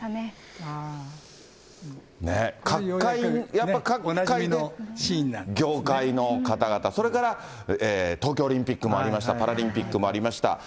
ねえ、各界、やっぱ各界、業界の方々、それから東京オリンピックもありました、パラリンピックもありました。